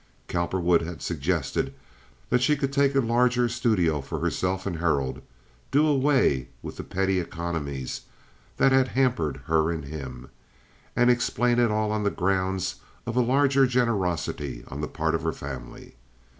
Cowperwood had suggested that she could take a larger studio for herself and Harold—do away with the petty economies that had hampered her and him—and explain it all on the grounds of a larger generosity on the part of her family.